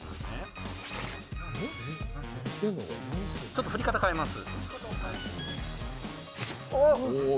ちょっと振り方を変えます。